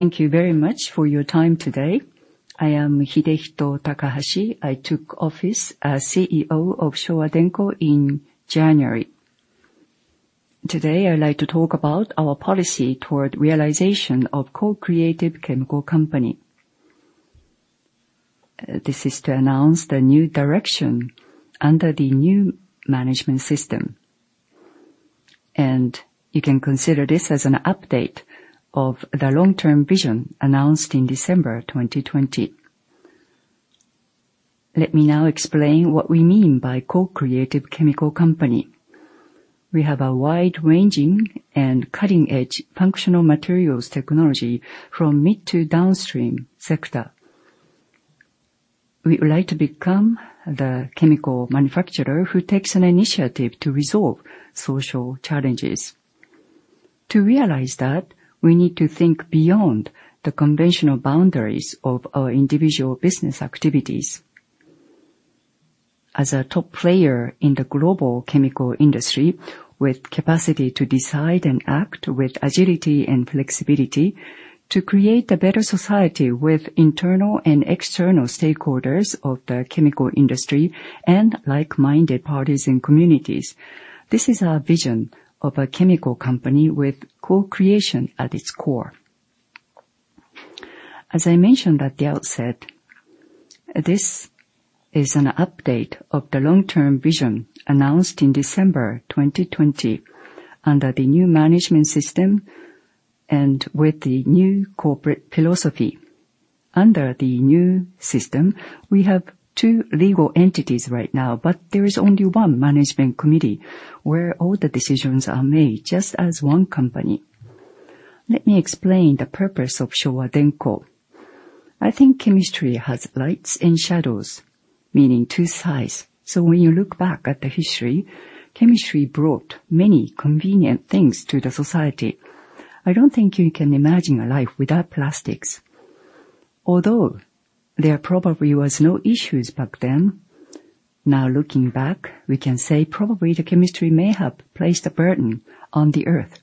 Thank you very much for your time today. I am Hidehito Takahashi. I took office as CEO of Showa Denko in January. Today, I would like to talk about our policy toward realization of co-creative chemical company. This is to announce the new direction under the new management system. You can consider this as an update of the long-term vision announced in December 2020. Let me now explain what we mean by co-creative chemical company. We have a wide-ranging and cutting-edge functional materials technology from mid to downstream sector. We would like to become the chemical manufacturer who takes an initiative to resolve social challenges. To realize that, we need to think beyond the conventional boundaries of our individual business activities. As a top player in the global chemical industry, with capacity to decide and act with agility and flexibility to create a better society with internal and external stakeholders of the chemical industry and like-minded parties and communities. This is our vision of a chemical company with co-creation at its core. As I mentioned at the outset, this is an update of the long-term vision announced in December 2020 under the new management system and with the new corporate philosophy. Under the new system, we have two legal entities right now, but there is only one management committee where all the decisions are made, just as one company. Let me explain the purpose of Showa Denko. I think chemistry has lights and shadows, meaning two sides. When you look back at the history, chemistry brought many convenient things to the society. I don't think you can imagine a life without plastics. Although there probably was no issues back then, now looking back, we can say probably the chemistry may have placed a burden on the Earth.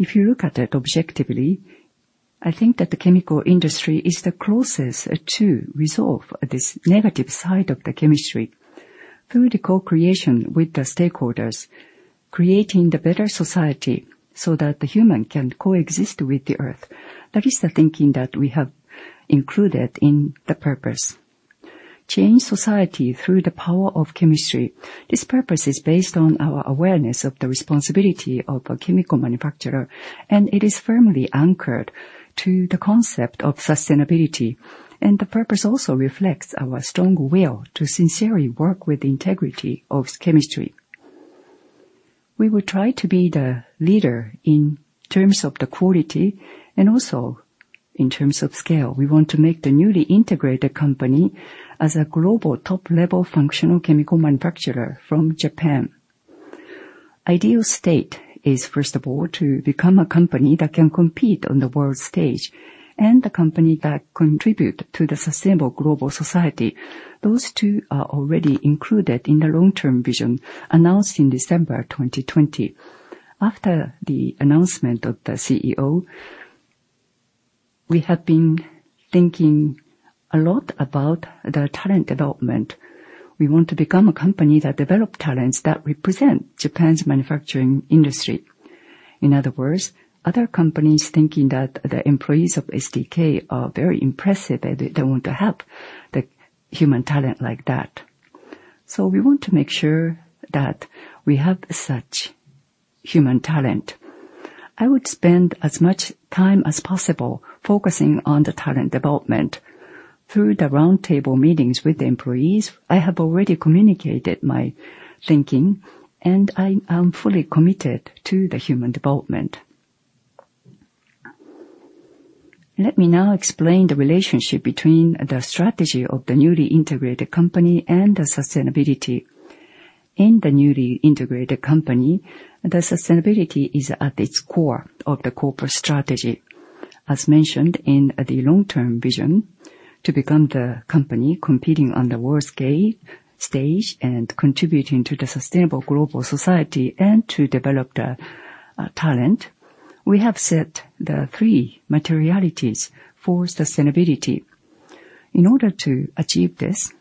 If you look at it objectively, I think that the chemical industry is the closest to resolve this negative side of the chemistry. Through the co-creation with the stakeholders, creating the better society so that the human can coexist with the Earth. That is the thinking that we have included in the purpose. Change society through the power of chemistry. This purpose is based on our awareness of the responsibility of a chemical manufacturer, and it is firmly anchored to the concept of sustainability, and the purpose also reflects our strong will to sincerely work with the integrity of chemistry. We will try to be the leader in terms of the quality and also in terms of scale. We want to make the newly integrated company as a global top-level functional chemical manufacturer from Japan. Ideal state is, first of all, to become a company that can compete on the world stage, and a company that contribute to the sustainable global society. Those two are already included in the long-term vision announced in December 2020. After the announcement of the CEO, we have been thinking a lot about the talent development. We want to become a company that develop talents that represent Japan's manufacturing industry. In other words, other companies thinking that the employees of SDK are very impressive, and they want to have the human talent like that. We want to make sure that we have such human talent. I would spend as much time as possible focusing on the talent development. Through the roundtable meetings with the employees, I have already communicated my thinking, and I am fully committed to the human development. Let me now explain the relationship between the strategy of the newly integrated company and the sustainability. In the newly integrated company, the sustainability is at its core of the corporate strategy. As mentioned in the long-term vision, to become the company competing on the world stage, and contributing to the sustainable global society, and to develop the talent, we have set the three materialities for sustainability. In order to achieve this,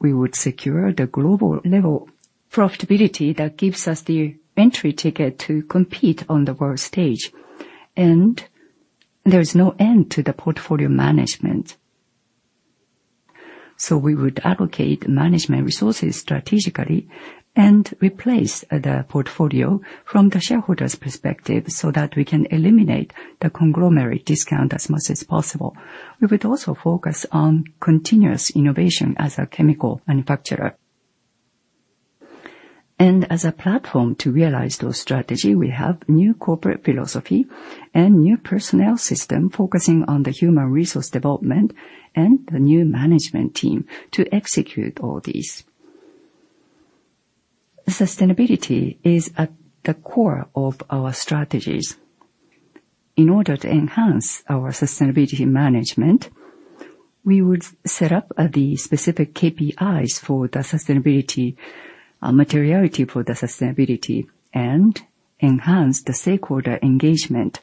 we would secure the global level profitability that gives us the entry ticket to compete on the world stage, and there is no end to the portfolio management. We would allocate management resources strategically and replace the portfolio from the shareholder's perspective so that we can eliminate the conglomerate discount as much as possible. We would also focus on continuous innovation as a chemical manufacturer. As a platform to realize those strategy, we have new corporate philosophy and new personnel system focusing on the human resource development and the new management team to execute all these. Sustainability is at the core of our strategies. In order to enhance our sustainability management, we would set up the specific KPIs for the sustainability, materiality for the sustainability, and enhance the stakeholder engagement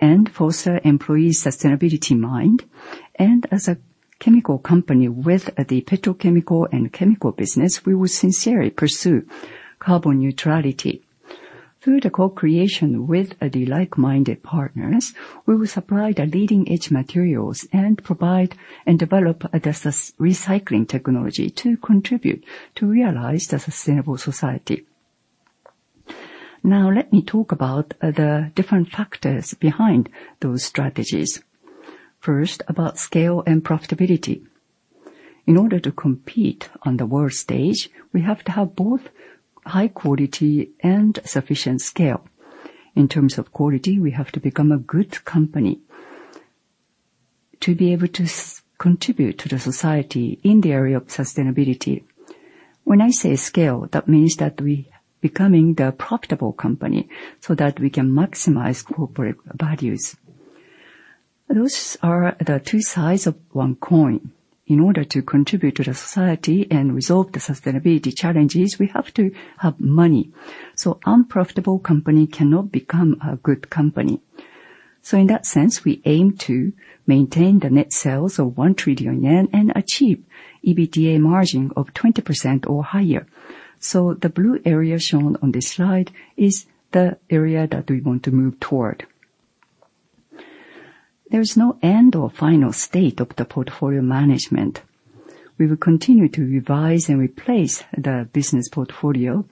and foster employee sustainability mind. As a chemical company with the petrochemical and chemical business, we will sincerely pursue carbon neutrality. Through the co-creation with the like-minded partners, we will supply the leading-edge materials and provide and develop a recycling technology to contribute to realize the sustainable society. Let me talk about the different factors behind those strategies. First, about scale and profitability. In order to compete on the world stage, we have to have both high quality and sufficient scale. In terms of quality, we have to become a good company to be able to contribute to the society in the area of sustainability. When I say scale, that means that we are becoming the profitable company so that we can maximize corporate values. Those are the two sides of one coin. In order to contribute to the society and resolve the sustainability challenges, we have to have money. Unprofitable company cannot become a good company. In that sense, we aim to maintain the net sales of 1 trillion yen and achieve EBITDA margin of 20% or higher. The blue area shown on this slide is the area that we want to move toward. There is no end or final state of the portfolio management. We will continue to revise and replace the business portfolio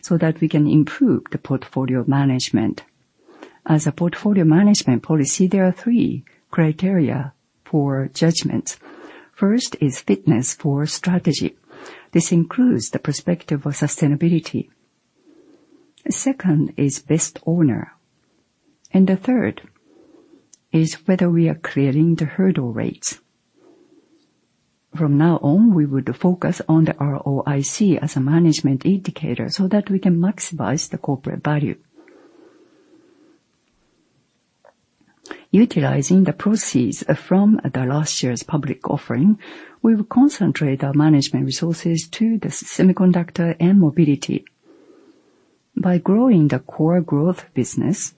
so that we can improve the portfolio management. As a portfolio management policy, there are three criteria for judgments. First is fitness for strategy. This includes the perspective of sustainability. Second is best owner. The third is whether we are clearing the hurdle rates. From now on, we would focus on the ROIC as a management indicator so that we can maximize the corporate value. Utilizing the proceeds from the last year's public offering, we will concentrate our management resources to the semiconductor and mobility. By growing the core growth business,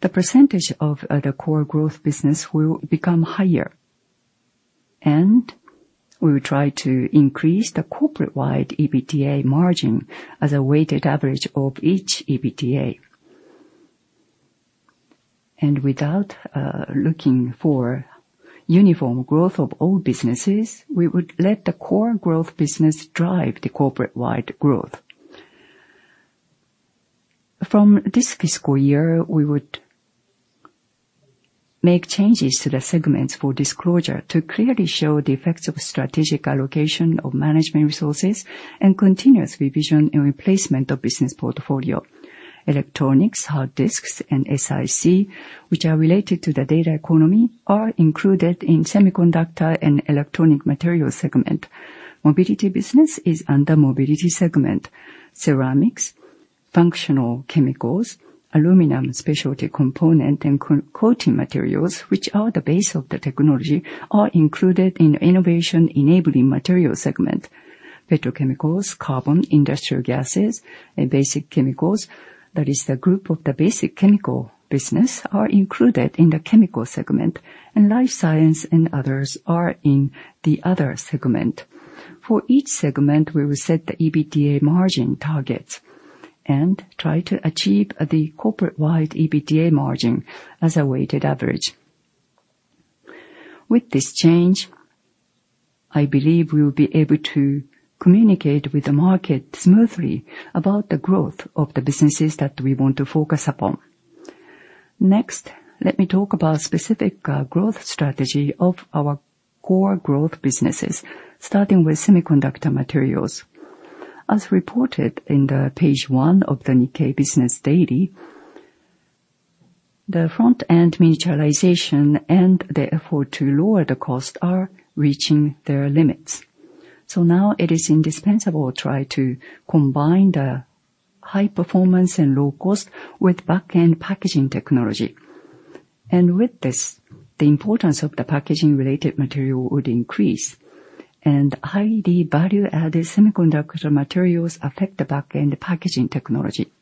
the percentage of the core growth business will become higher, and we will try to increase the corporate-wide EBITDA margin as a weighted average of each EBITDA. Without looking for uniform growth of all businesses, we would let the core growth business drive the corporate-wide growth. From this fiscal year, we would make changes to the segments for disclosure to clearly show the effects of strategic allocation of management resources and continuous revision and replacement of business portfolio. Electronics, hard disk media, and SiC, which are related to the data economy, are included in Semiconductor and Electronic Materials segment. Mobility business is under Mobility segment. Ceramics, functional chemicals, aluminum specialty component, and coating materials, which are the base of the technology, are included in Innovation Enabling Materials segment. Petrochemicals, carbon, industrial gases, and basic chemicals, that is the group of the basic chemical business, are included in the Chemicals segment, and life science and others are in the other segment. For each segment, we will set the EBITDA margin targets and try to achieve the corporate-wide EBITDA margin as a weighted average. With this change, I believe we will be able to communicate with the market smoothly about the growth of the businesses that we want to focus upon. Next, let me talk about specific growth strategy of our core growth businesses, starting with semiconductor materials. As reported in the page one of the Nikkei, the front-end miniaturization and the effort to lower the cost are reaching their limits. Now it is indispensable try to combine the high performance and low cost with back-end packaging technology. With this, the importance of the packaging-related material would increase, and highly value-added semiconductor materials affect the back-end packaging technology.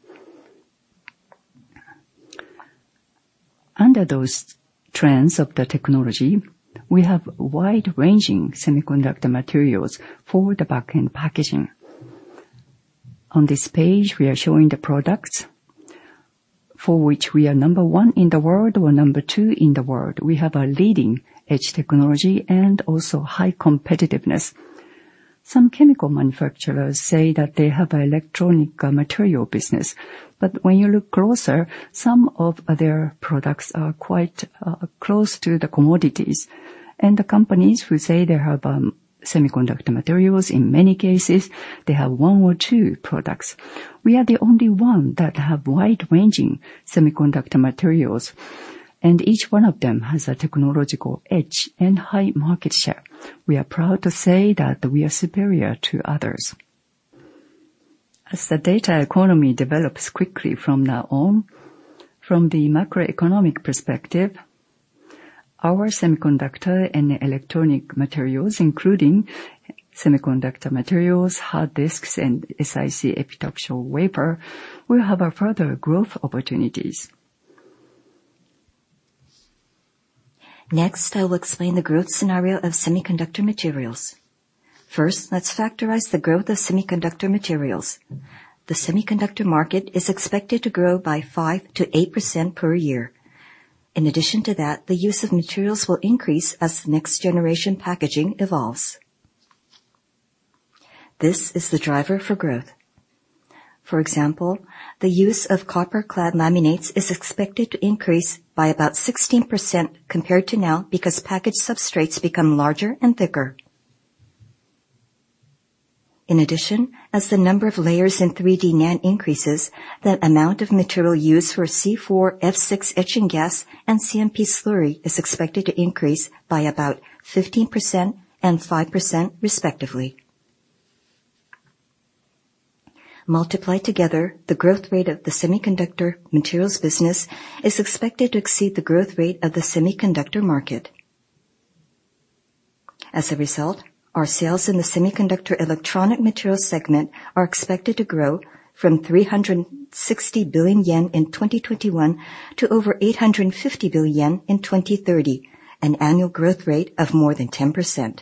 Under those trends of the technology, we have wide-ranging semiconductor materials for the back-end packaging. On this page, we are showing the products for which we are number 1 in the world or number 2 in the world. We have a leading edge technology and also high competitiveness. Some chemical manufacturers say that they have electronic material business. When you look closer, some of their products are quite close to the commodities. The companies who say they have semiconductor materials, in many cases, they have one or two products. We are the only one that have wide-ranging semiconductor materials, and each one of them has a technological edge and high market share. We are proud to say that we are superior to others. As the data economy develops quickly from now on, from the macroeconomic perspective, our Semiconductor and Electronic Materials, including semiconductor materials, hard disk media, and SiC epitaxial wafer, will have further growth opportunities. Next, I will explain the growth scenario of semiconductor materials. First, let's factorize the growth of semiconductor materials. The semiconductor market is expected to grow by 5%-8% per year. In addition to that, the use of materials will increase as the next generation packaging evolves. This is the driver for growth. For example, the use of copper clad laminates is expected to increase by about 16% compared to now, because package substrates become larger and thicker. In addition, as the number of layers in 3D NAND increases, the amount of material used for C4F6 etching gas and CMP slurry is expected to increase by about 15% and 5% respectively. Multiplied together, the growth rate of the semiconductor materials business is expected to exceed the growth rate of the semiconductor market. As a result, our sales in the Semiconductor and Electronic Materials segment are expected to grow from 360 billion yen in 2021 to over 850 billion yen in 2030, an annual growth rate of more than 10%.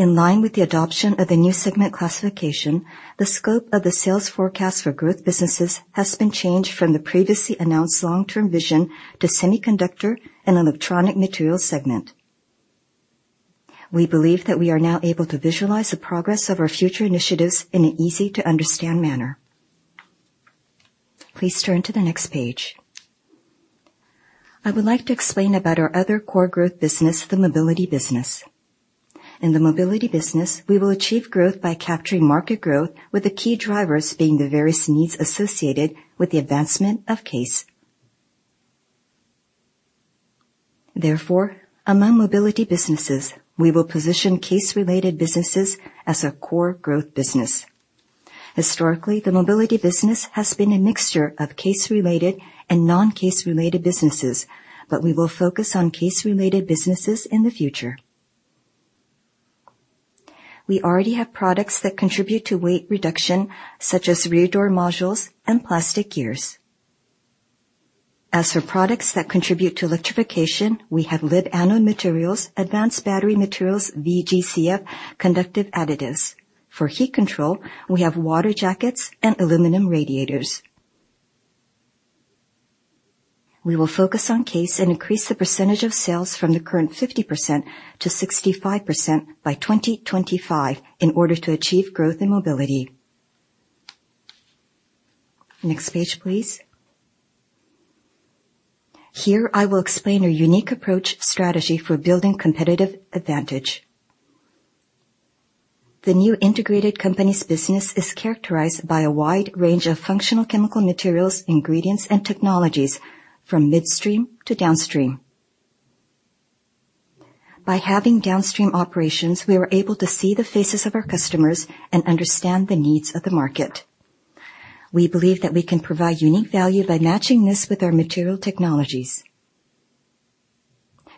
In line with the adoption of the new segment classification, the scope of the sales forecast for growth businesses has been changed from the previously announced long-term vision to Semiconductor and Electronic Materials segment. We believe that we are now able to visualize the progress of our future initiatives in an easy-to-understand manner. Please turn to the next page. I would like to explain about our other core growth business, the Mobility business. In the Mobility business, we will achieve growth by capturing market growth, with the key drivers being the various needs associated with the advancement of CASE. Therefore, among Mobility businesses, we will position CASE-related businesses as a core growth business. Historically, the Mobility business has been a mixture of CASE-related and non-CASE-related businesses, but we will focus on CASE-related businesses in the future. We already have products that contribute to weight reduction, such as rear door modules and plastic gears. As for products that contribute to electrification, we have LiB anode materials, advanced battery materials, VGCF conductive additives. For heat control, we have water jackets and aluminum radiators. We will focus on CASE and increase the percentage of sales from the current 50% to 65% by 2025 in order to achieve growth in Mobility. Next page, please. Here, I will explain our unique approach strategy for building competitive advantage. The new integrated company's business is characterized by a wide range of functional chemical materials, ingredients, and technologies from midstream to downstream. By having downstream operations, we are able to see the faces of our customers and understand the needs of the market. We believe that we can provide unique value by matching this with our material technologies.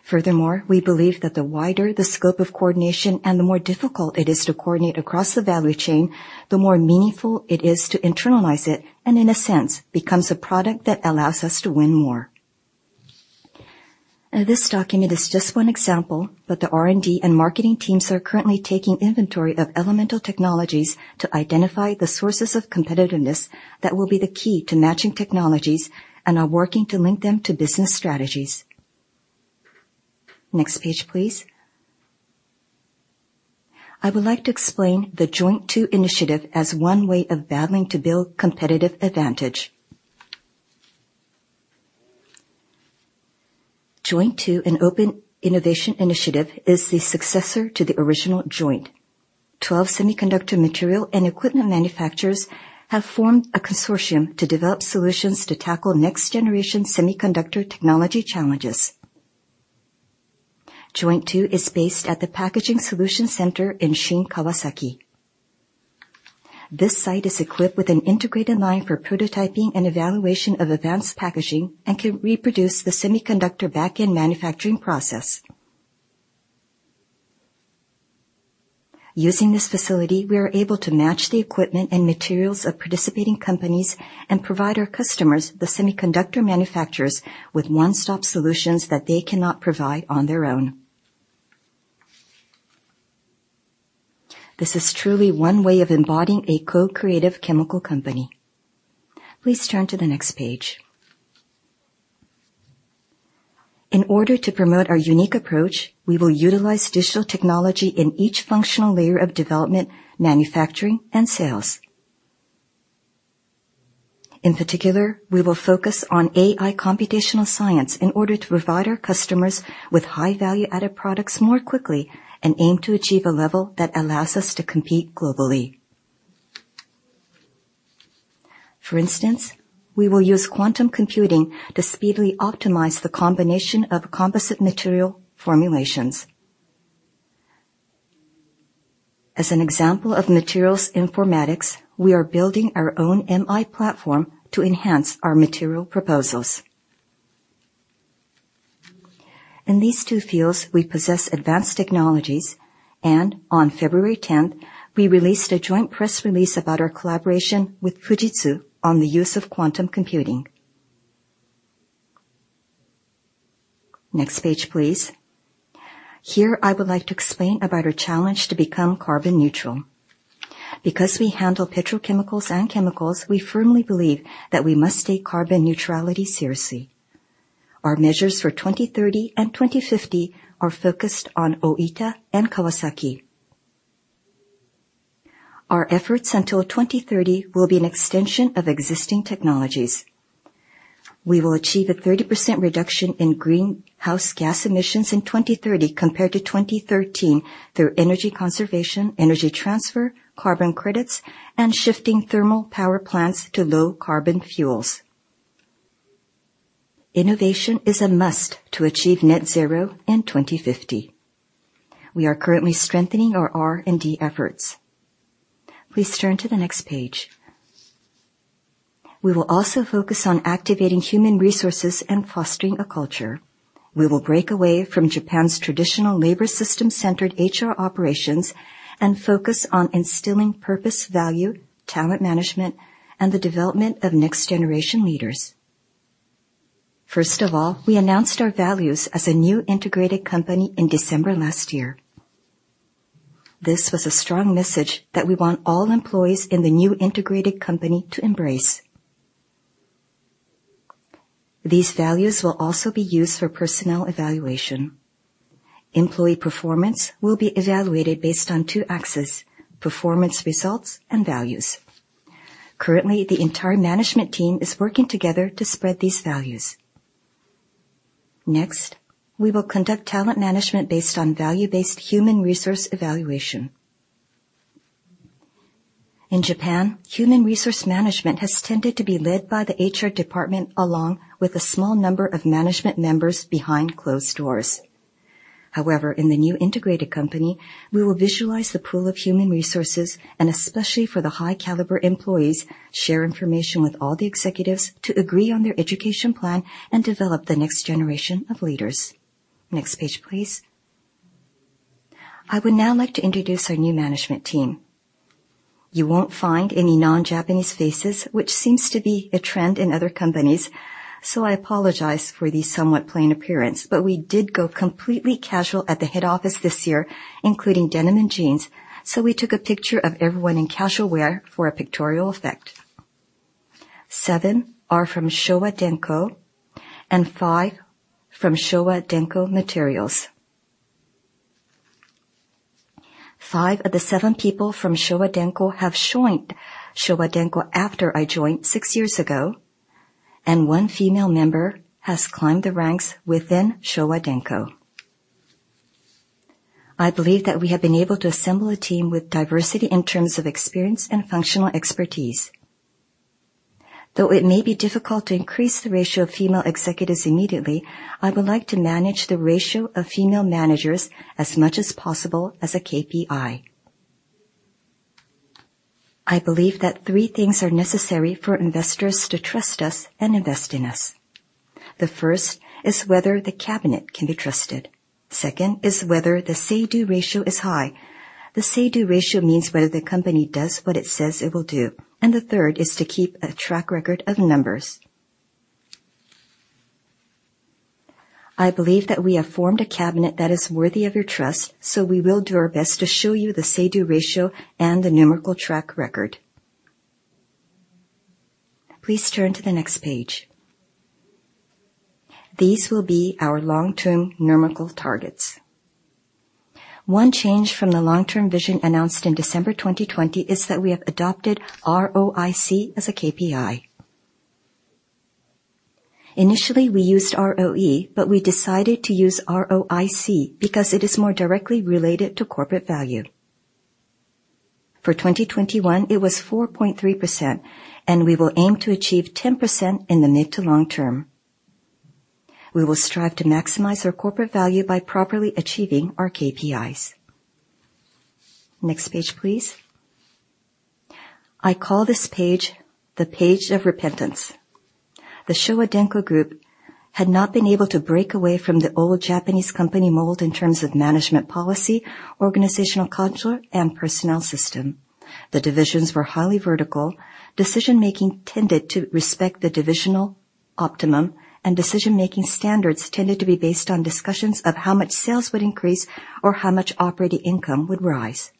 Furthermore, we believe that the wider the scope of coordination and the more difficult it is to coordinate across the value chain, the more meaningful it is to internalize it, and in a sense, becomes a product that allows us to win more. This document is just one example, but the R&D and marketing teams are currently taking inventory of elemental technologies to identify the sources of competitiveness that will be the key to matching technologies and are working to link them to business strategies. Next page, please. I would like to explain the JOINT2 initiative as one way of battling to build competitive advantage. JOINT2, an open innovation initiative, is the successor to the original JOINT. 12 semiconductor material and equipment manufacturers have formed a consortium to develop solutions to tackle next-generation semiconductor technology challenges. JOINT2 is based at the Packaging Solution Center in Shin-Kawasaki. This site is equipped with an integrated line for prototyping and evaluation of advanced packaging and can reproduce the semiconductor backend manufacturing process. Using this facility, we are able to match the equipment and materials of participating companies and provide our customers, the semiconductor manufacturers, with one-stop solutions that they cannot provide on their own. This is truly one way of embodying a co-creative chemical company. Please turn to the next page. In order to promote our unique approach, we will utilize digital technology in each functional layer of development, manufacturing, and sales. In particular, we will focus on AI computational science in order to provide our customers with high value-added products more quickly and aim to achieve a level that allows us to compete globally. For instance, we will use quantum computing to speedily optimize the combination of composite material formulations. As an example of materials informatics, we are building our own MI platform to enhance our material proposals. In these two fields, we possess advanced technologies, and on February 10th, we released a joint press release about our collaboration with Fujitsu on the use of quantum computing. Next page, please. Here, I would like to explain about our challenge to become carbon neutrality. Because we handle petrochemicals and chemicals, we firmly believe that we must take carbon neutrality seriously. Our measures for 2030 and 2050 are focused on Ōita and Kawasaki. Our efforts until 2030 will be an extension of existing technologies. We will achieve a 30% reduction in greenhouse gas emissions in 2030 compared to 2013 through energy conservation, energy transfer, carbon credits, and shifting thermal power plants to low-carbon fuels. Innovation is a must to achieve net zero in 2050. We are currently strengthening our R&D efforts. Please turn to the next page. We will also focus on activating human resources and fostering a culture. We will break away from Japan's traditional labor system-centered HR operations and focus on instilling purpose, value, talent management, and the development of next-generation leaders. First of all, we announced our values as a new integrated company in December last year. This was a strong message that we want all employees in the new integrated company to embrace. These values will also be used for personnel evaluation. Employee performance will be evaluated based on two axes, performance results and values. Currently, the entire management team is working together to spread these values. Next, we will conduct talent management based on value-based human resource evaluation. In Japan, human resource management has tended to be led by the HR department, along with a small number of management members behind closed doors. However, in the new integrated company, we will visualize the pool of human resources, and especially for the high-caliber employees, share information with all the executives to agree on their education plan and develop the next generation of leaders. Next page, please. I would now like to introduce our new management team. You won't find any non-Japanese faces, which seems to be a trend in other companies, so I apologize for the somewhat plain appearance. We did go completely casual at the head office this year, including denim and jeans, so we took a picture of everyone in casual wear for a pictorial effect. Seven are from Showa Denko and five from Showa Denko Materials. Five of the seven people from Showa Denko have joined Showa Denko after I joined six years ago, and one female member has climbed the ranks within Showa Denko. I believe that we have been able to assemble a team with diversity in terms of experience and functional expertise. Though it may be difficult to increase the ratio of female executives immediately, I would like to manage the ratio of female managers as much as possible as a KPI. I believe that three things are necessary for investors to trust us and invest in us. The first is whether the cabinet can be trusted. Second is whether the say-do ratio is high. The say-do ratio means whether the company does what it says it will do. The third is to keep a track record of numbers. I believe that we have formed a cabinet that is worthy of your trust, we will do our best to show you the say-do ratio and the numerical track record. Please turn to the next page. These will be our long-term numerical targets. One change from the long-term vision announced in December 2020 is that we have adopted ROIC as a KPI. Initially, we used ROE, but we decided to use ROIC because it is more directly related to corporate value. For 2021, it was 4.3%, and we will aim to achieve 10% in the mid to long term. We will strive to maximize our corporate value by properly achieving our KPIs. Next page, please. I call this page the page of repentance. The Showa Denko Group had not been able to break away from the old Japanese company mold in terms of management policy, organizational culture, and personnel system. The divisions were highly vertical. Decision-making tended to respect the divisional optimum, and decision-making standards tended to be based on discussions of how much sales would increase or how much operating income would rise.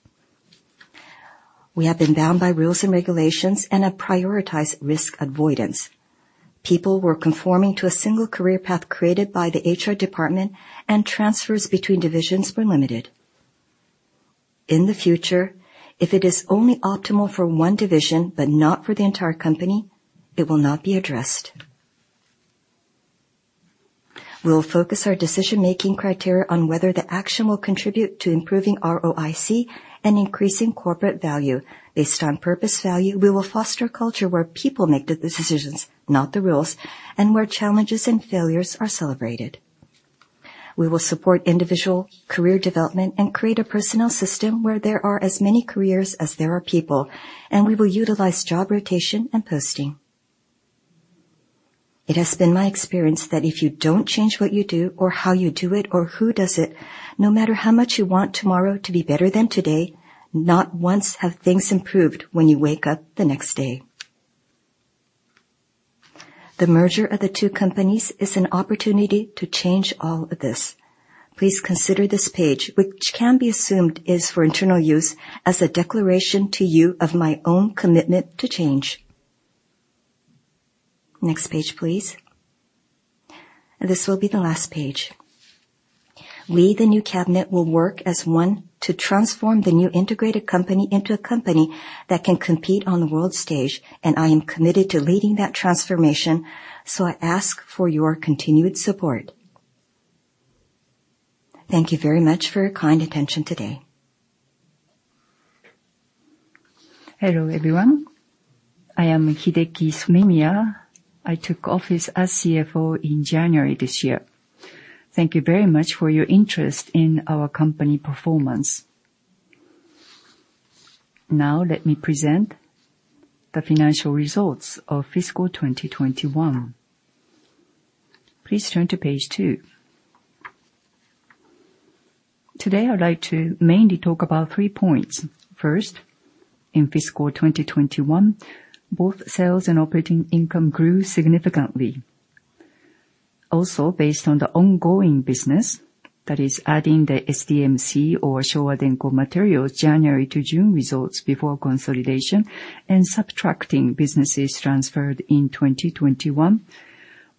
We have been bound by rules and regulations and have prioritized risk avoidance. People were conforming to a single career path created by the HR department, and transfers between divisions were limited. In the future, if it is only optimal for one division but not for the entire company, it will not be addressed. We will focus our decision-making criteria on whether the action will contribute to improving ROIC and increasing corporate value. Based on purpose value, we will foster a culture where people make the decisions, not the rules, and where challenges and failures are celebrated. We will support individual career development and create a personnel system where there are as many careers as there are people, and we will utilize job rotation and posting. It has been my experience that if you don't change what you do or how you do it or who does it, no matter how much you want tomorrow to be better than today, not once have things improved when you wake up the next day. The merger of the two companies is an opportunity to change all of this. Please consider this page, which can be assumed is for internal use, as a declaration to you of my own commitment to change. Next page, please. This will be the last page. We, the new cabinet, will work as one to transform the new integrated company into a company that can compete on the world stage, and I am committed to leading that transformation. I ask for your continued support. Thank you very much for your kind attention today. Hello, everyone. I am Hideki Somemiya. I took office as CFO in January this year. Thank you very much for your interest in our company performance. Let me present the financial results of fiscal 2021. Please turn to page two. Today, I'd like to mainly talk about three points. First, in fiscal 2021, both sales and operating income grew significantly. Also, based on the ongoing business, that is adding the SDMC or Showa Denko Materials January to June results before consolidation and subtracting businesses transferred in 2021,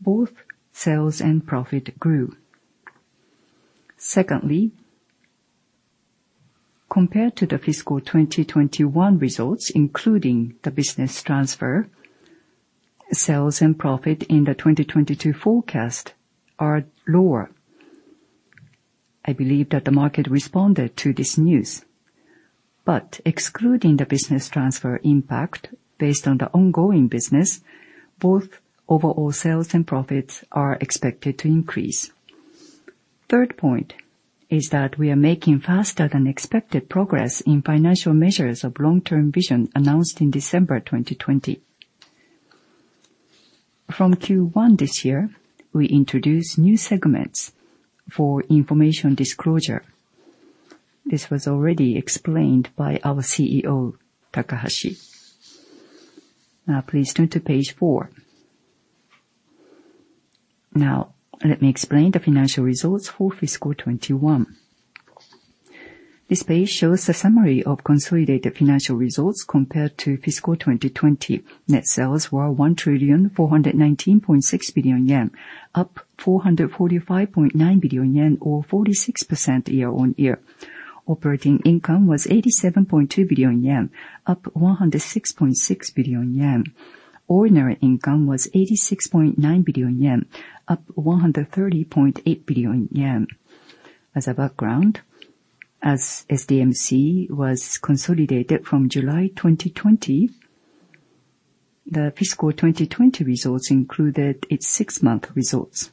both sales and profit grew. Secondly, compared to the fiscal 2021 results, including the business transfer, sales and profit in the 2022 forecast are lower. I believe that the market responded to this news. Excluding the business transfer impact based on the ongoing business, both overall sales and profits are expected to increase. Third point is that we are making faster than expected progress in financial measures of long-term vision announced in December 2020. From Q1 this year, we introduced new segments for information disclosure. This was already explained by our CEO, Takahashi. Please turn to page four. Let me explain the financial results for fiscal 2021. This page shows a summary of consolidated financial results compared to fiscal 2020. Net sales were 1 trillion, 419.6 billion, up 445.9 billion yen, or 46% year-on-year. Operating income was 87.2 billion yen, up 106.6 billion yen. Ordinary income was 86.9 billion yen, up 130.8 billion yen. As a background, as SDMC was consolidated from July 2020, the fiscal 2020 results included its six-month results.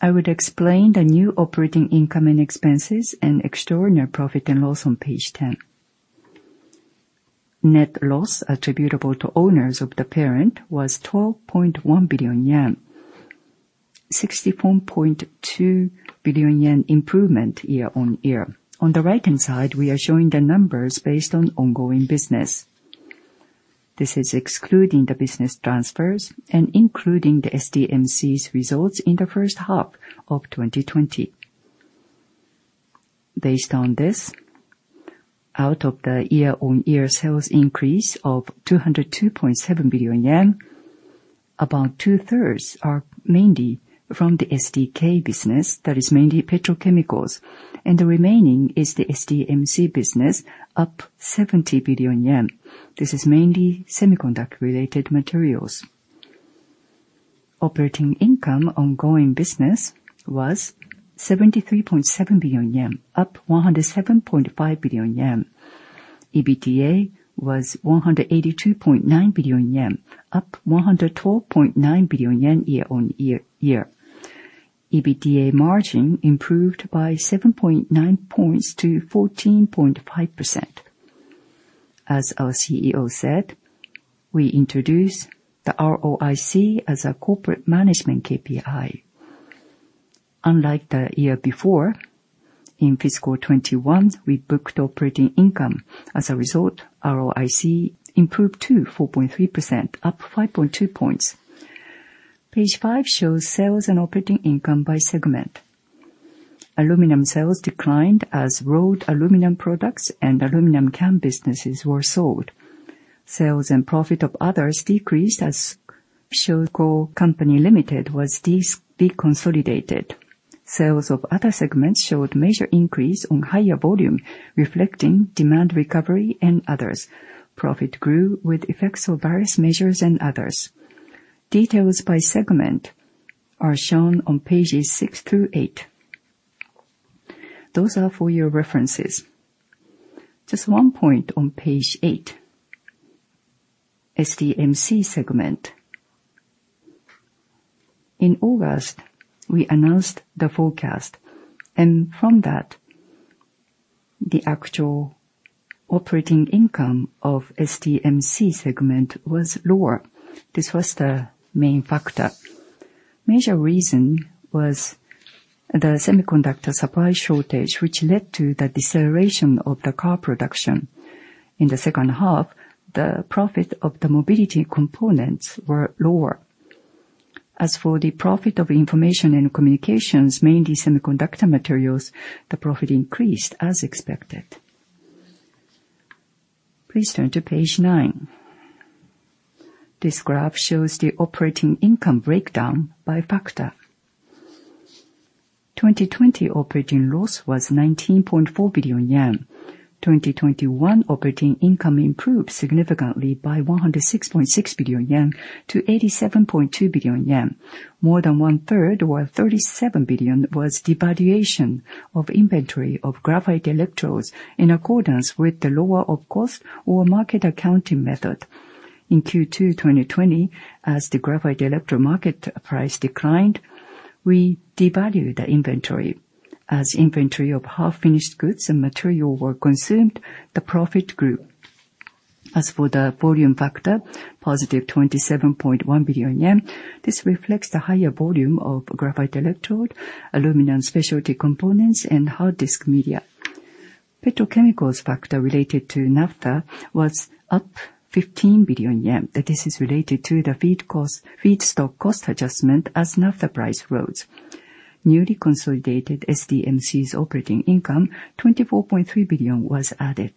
I would explain the new operating income and expenses and extraordinary profit and loss on page 10. Net loss attributable to owners of the parent was 12.1 billion yen, 64.2 billion yen improvement year-on-year. On the right-hand side, we are showing the numbers based on ongoing business. This is excluding the business transfers and including the SDMC's results in the first half of 2020. Based on this, out of the year-on-year sales increase of 202.7 billion yen, about two-thirds are mainly from the SDK business, that is mainly petrochemicals, and the remaining is the SDMC business, up 70 billion yen. This is mainly semiconductor-related materials. Operating income ongoing business was 73.7 billion yen, up 107.5 billion yen. EBITDA was 182.9 billion yen, up 112.9 billion yen year-on-year. EBITDA margin improved by 7.9 points to 14.5%. As our CEO said, we introduced the ROIC as a corporate management KPI. Unlike the year before, in fiscal 2021, we booked operating income. As a result, ROIC improved to 4.3%, up 5.2 points. Page five shows sales and operating income by segment. Aluminum sales declined as rolled aluminum products and aluminum can businesses were sold. Sales and profit of others decreased as SHOKO CO., LTD. was deconsolidated. Sales of other segments showed major increase on higher volume, reflecting demand recovery and others. Profit grew with effects of various measures and others. Details by segment are shown on pages six through eight. Those are for your references. Just one point on page eight, SDMC segment. In August, we announced the forecast, from that, the actual operating income of SDMC segment was lower. This was the main factor. Major reason was the semiconductor supply shortage, which led to the deceleration of the car production. In the second half, the profit of the mobility components were lower. As for the profit of information and communications, mainly semiconductor materials, the profit increased as expected. Please turn to page nine. This graph shows the operating income breakdown by factor. 2020 operating loss was 19.4 billion yen. 2021 operating income improved significantly by 106.6 billion yen to 87.2 billion yen. More than one-third or 37 billion was devaluation of inventory of graphite electrodes in accordance with the lower of cost or market accounting method. In Q2 2020, as the graphite electrode market price declined, we devalued the inventory. As inventory of half-finished goods and material were consumed, the profit grew. As for the volume factor, positive 27.1 billion yen, this reflects the higher volume of graphite electrode, aluminum specialty components, and hard disk media. Petrochemicals factor related to naphtha was up 15 billion yen. This is related to the feedstock cost adjustment as naphtha price rose. Newly consolidated SDMC's operating income, 24.3 billion, was added.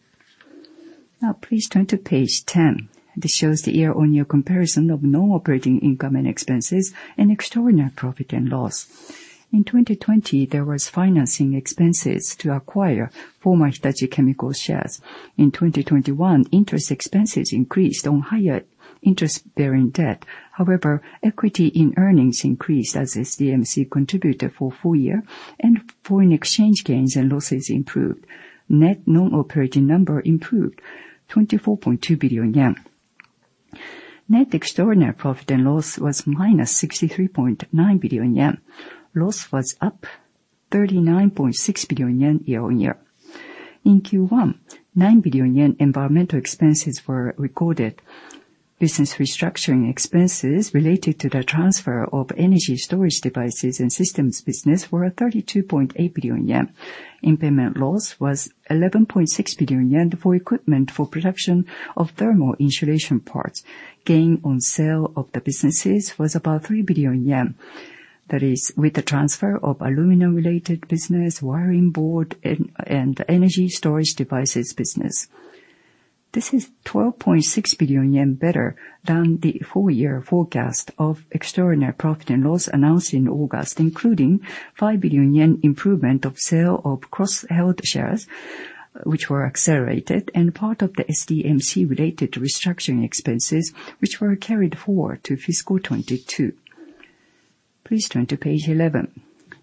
Please turn to page 10. This shows the year-on-year comparison of normal operating income and expenses and extraordinary profit and loss. In 2020, there was financing expenses to acquire former Hitachi Chemical shares. In 2021, interest expenses increased on higher interest-bearing debt. However, equity in earnings increased as SDMC contributed for full year, and foreign exchange gains and losses improved. Net non-operating number improved, 24.2 billion yen. Net extraordinary profit and loss was minus 63.9 billion yen. Loss was up 39.6 billion yen year-on-year. In Q1, 9 billion yen environmental expenses were recorded. Business restructuring expenses related to the transfer of energy storage devices and systems business were 32.8 billion yen. Impairment loss was 11.6 billion yen for equipment for production of thermal insulation parts. Gain on sale of the businesses was about 3 billion yen. That is with the transfer of aluminum-related business, printed wiring board, and energy storage devices business. This is 12.6 billion yen better than the full year forecast of extraordinary profit and loss announced in August, including 5 billion yen improvement of sale of cross-held shares, which were accelerated, and part of the SDMC-related restructuring expenses, which were carried forward to fiscal 2022. Please turn to page 11.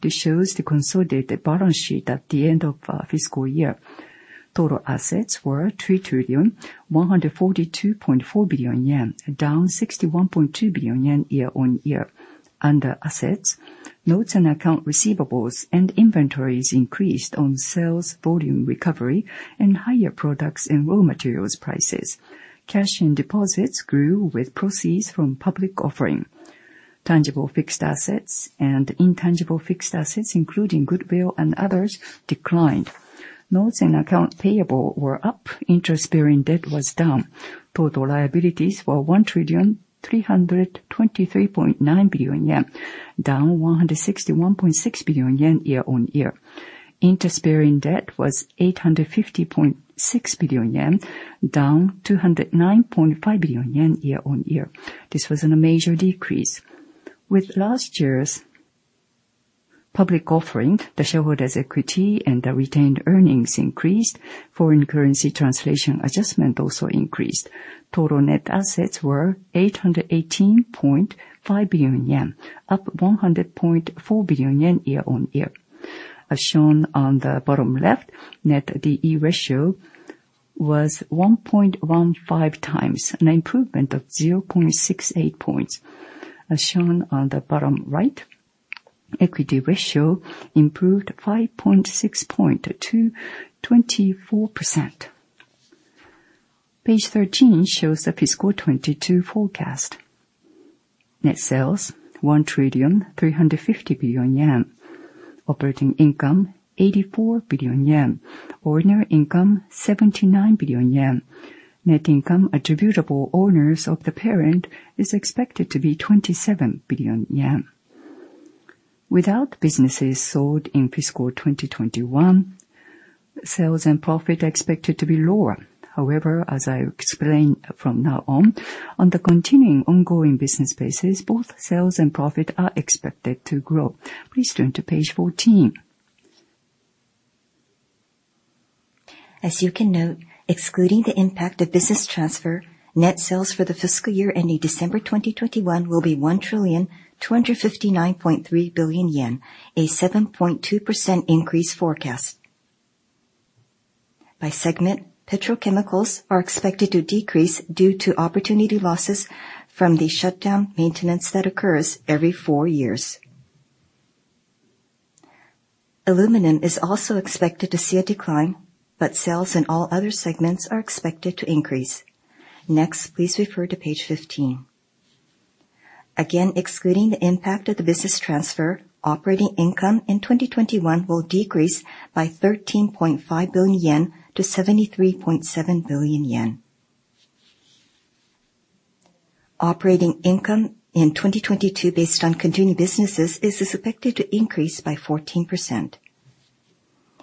This shows the consolidated balance sheet at the end of our fiscal year. Total assets were 3,142.4 billion yen, down 61.2 billion yen year-on-year. Under assets, notes and account receivables and inventories increased on sales volume recovery and higher products and raw materials prices. Cash and deposits grew with proceeds from public offering. Tangible fixed assets and intangible fixed assets, including goodwill and others, declined. Notes and account payable were up. Interest-bearing debt was down. Total liabilities were 1,323.9 billion yen, down 161.6 billion yen year-on-year. Interest-bearing debt was 850.6 billion yen, down 209.5 billion yen year-on-year. This was a major decrease. With last year's public offering, the shareholders' equity and the retained earnings increased. Foreign currency translation adjustment also increased. Total net assets were 818.5 billion yen, up 100.4 billion yen year-on-year. As shown on the bottom left, net D/E ratio was 1.15 times, an improvement of 0.68 points. As shown on the bottom right, equity ratio improved 5.6 points to 24%. Page 13 shows the fiscal 2022 forecast. Net sales, 1,350 billion yen. Operating income, 84 billion yen. Ordinary income, 79 billion yen. Net income attributable owners of the parent is expected to be 27 billion yen. Without businesses sold in fiscal 2021 Sales and profit are expected to be lower. As I explain from now on the continuing ongoing business basis, both sales and profit are expected to grow. Please turn to page 14. As you can note, excluding the impact of business transfer, net sales for the fiscal year ending December 2021 will be 1,259.3 billion yen, a 7.2% increase forecast. By segment, petrochemicals are expected to decrease due to opportunity losses from the shutdown maintenance that occurs every four years. Aluminum is also expected to see a decline, sales in all other segments are expected to increase. Next, please refer to page 15. Again, excluding the impact of the business transfer, operating income in 2021 will decrease by 13.5 billion yen to 73.7 billion yen. Operating income in 2022 based on continuing businesses is expected to increase by 14%.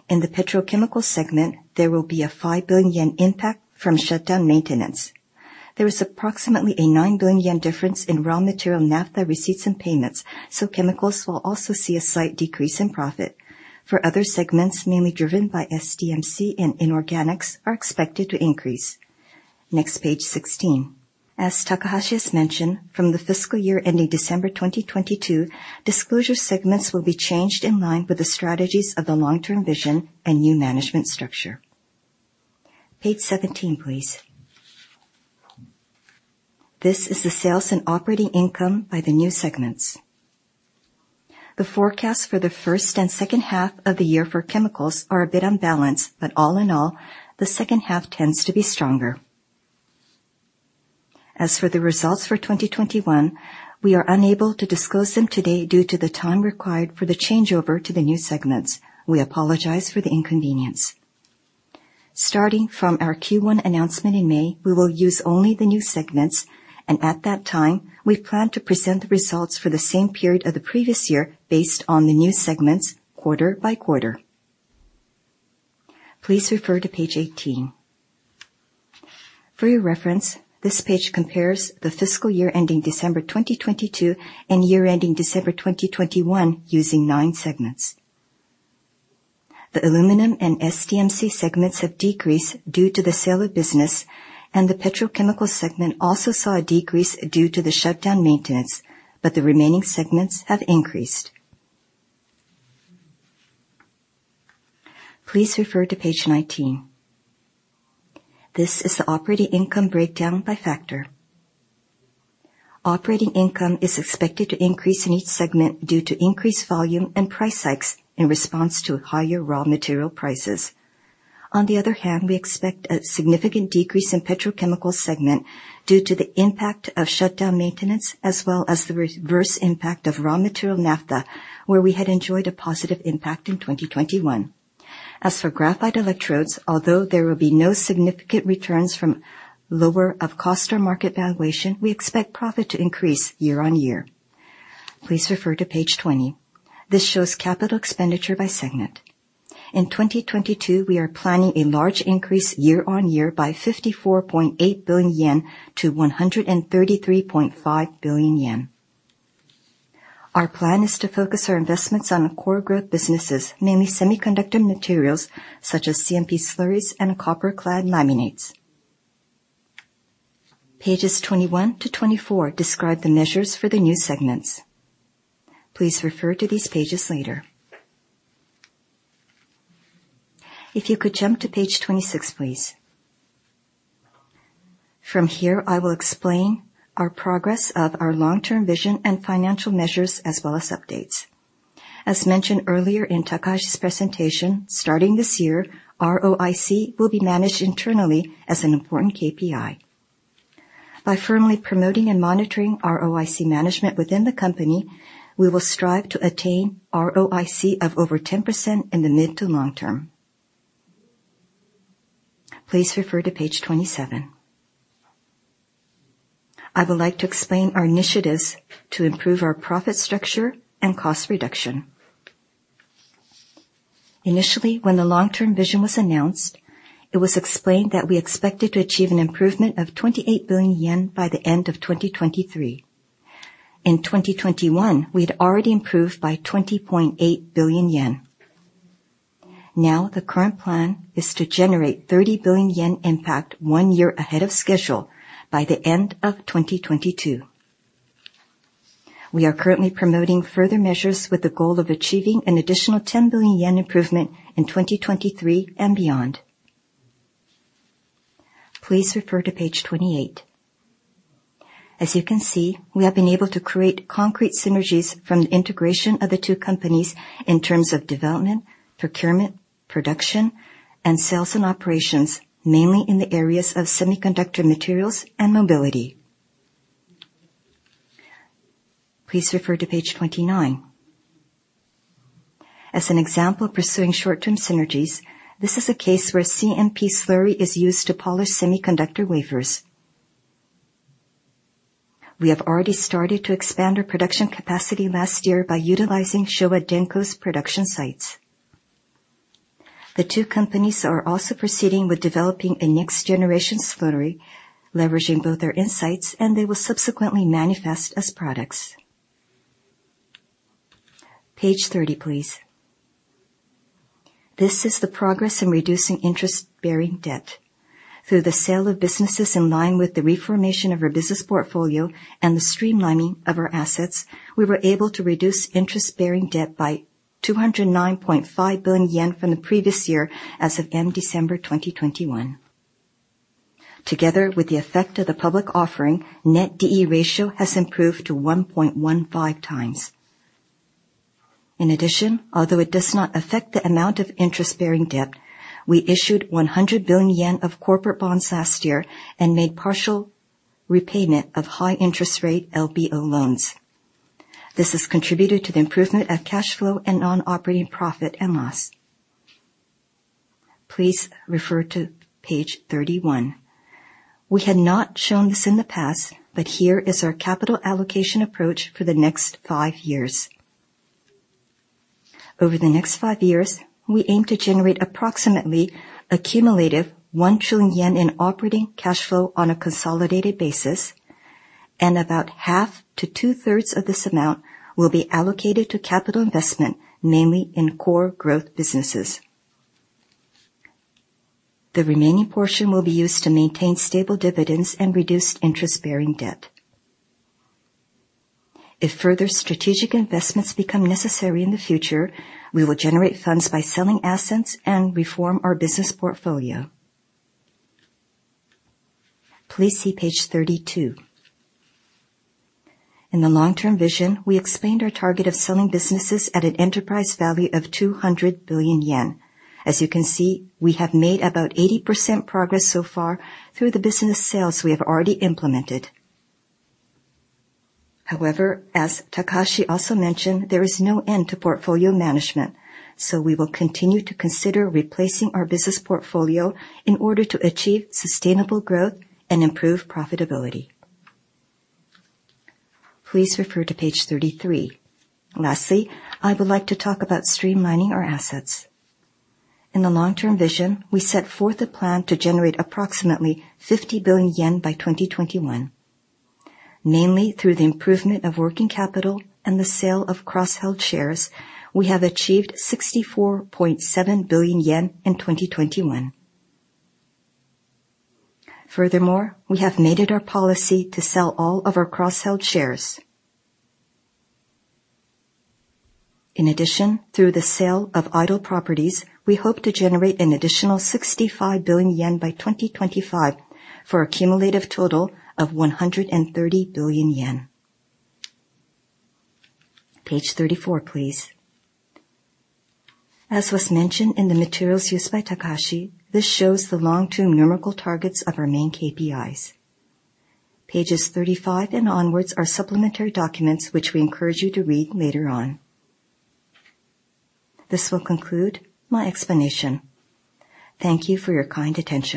In the petrochemical segment, there will be a 5 billion yen impact from shutdown maintenance. There is approximately a 9 billion yen difference in raw material naphtha receipts and payments, chemicals will also see a slight decrease in profit. For other segments, mainly driven by SDMC and inorganics, are expected to increase. Next, page 16. As Takahashi has mentioned, from the fiscal year ending December 2022, disclosure segments will be changed in line with the strategies of the long-term vision and new management structure. Page 17, please. This is the sales and operating income by the new segments. The forecast for the first and second half of the year for chemicals are a bit unbalanced, all in all, the second half tends to be stronger. As for the results for 2021, we are unable to disclose them today due to the time required for the changeover to the new segments. We apologize for the inconvenience. Starting from our Q1 announcement in May, we will use only the new segments, and at that time, we plan to present the results for the same period of the previous year based on the new segments quarter by quarter. Please refer to page 18. For your reference, this page compares the fiscal year ending December 2022 and year ending December 2021 using nine segments. The aluminum and SDMC segments have decreased due to the sale of business, the petrochemical segment also saw a decrease due to the shutdown maintenance, the remaining segments have increased. Please refer to page 19. This is the operating income breakdown by factor. Operating income is expected to increase in each segment due to increased volume and price hikes in response to higher raw material prices. On the other hand, we expect a significant decrease in petrochemical segment due to the impact of shutdown maintenance, as well as the reverse impact of raw material naphtha, where we had enjoyed a positive impact in 2021. As for graphite electrodes, although there will be no significant returns from lower of cost or market valuation, we expect profit to increase year-on-year. Please refer to page 20. This shows capital expenditure by segment. In 2022, we are planning a large increase year-on-year by 54.8 billion yen to 133.5 billion yen. Our plan is to focus our investments on the core growth businesses, mainly semiconductor materials such as CMP slurries and copper clad laminates. Pages 21 to 24 describe the measures for the new segments. Please refer to these pages later. If you could jump to page 26, please. From here, I will explain our progress of our long-term vision and financial measures, as well as updates. As mentioned earlier in Takahashi's presentation, starting this year, ROIC will be managed internally as an important KPI. By firmly promoting and monitoring ROIC management within the company, we will strive to attain ROIC of over 10% in the mid to long term. Please refer to page 27. I would like to explain our initiatives to improve our profit structure and cost reduction. Initially, when the long-term vision was announced, it was explained that we expected to achieve an improvement of 28 billion yen by the end of 2023. In 2021, we had already improved by 20.8 billion yen. Now, the current plan is to generate 30 billion yen impact one year ahead of schedule by the end of 2022. We are currently promoting further measures with the goal of achieving an additional 10 billion yen improvement in 2023 and beyond. Please refer to page 28. As you can see, we have been able to create concrete synergies from the integration of the two companies in terms of development, procurement, production, and sales and operations, mainly in the areas of semiconductor materials and Mobility. Please refer to page 29. As an example of pursuing short-term synergies, this is a case where CMP slurry is used to polish semiconductor wafers. We have already started to expand our production capacity last year by utilizing Showa Denko's production sites. The two companies are also proceeding with developing a next-generation slurry, leveraging both their insights, and they will subsequently manifest as products. Page 30, please. This is the progress in reducing interest-bearing debt. Through the sale of businesses in line with the reformation of our business portfolio and the streamlining of our assets, we were able to reduce interest-bearing debt by 209.5 billion yen from the previous year as of end December 2021. Together with the effect of the public offering, net D/E ratio has improved to 1.15 times. In addition, although it does not affect the amount of interest-bearing debt, we issued 100 billion yen of corporate bonds last year and made partial repayment of high-interest rate LBO loans. This has contributed to the improvement of cash flow and non-operating profit and loss. Please refer to page 31. We had not shown this in the past, but here is our capital allocation approach for the next five years. Over the next five years, we aim to generate approximately a cumulative 1 trillion yen in operating cash flow on a consolidated basis, and about half to two-thirds of this amount will be allocated to capital investment, mainly in core growth businesses. The remaining portion will be used to maintain stable dividends and reduce interest-bearing debt. If further strategic investments become necessary in the future, we will generate funds by selling assets and reform our business portfolio. Please see page 32. In the long-term vision, we explained our target of selling businesses at an enterprise value of 200 billion yen. As you can see, we have made about 80% progress so far through the business sales we have already implemented. However, as Takahashi also mentioned, there is no end to portfolio management, so we will continue to consider replacing our business portfolio in order to achieve sustainable growth and improve profitability. Please refer to page 33. Lastly, I would like to talk about streamlining our assets. In the long-term vision, we set forth a plan to generate approximately 50 billion yen by 2021. Mainly through the improvement of working capital and the sale of cross-held shares, we have achieved 64.7 billion yen in 2021. Furthermore, we have made it our policy to sell all of our cross-held shares. In addition, through the sale of idle properties, we hope to generate an additional 65 billion yen by 2025, for a cumulative total of 130 billion yen. Page 34, please. As was mentioned in the materials used by Takahashi, this shows the long-term numerical targets of our main KPIs. Pages 35 and onwards are supplementary documents, which we encourage you to read later on. This will conclude my explanation. Thank you for your kind attention.